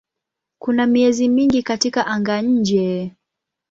Kuna miezi mingi katika anga-nje.